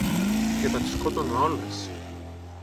Και θα τις σκότωνα όλες.